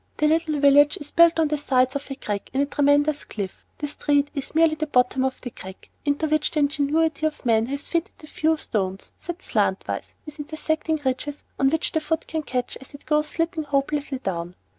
The little village is built on the sides of a crack in a tremendous cliff; the "street" is merely the bottom of the crack, into which the ingenuity of man has fitted a few stones, set slant wise, with intersecting ridges on which the foot can catch as it goes slipping hopelessly down.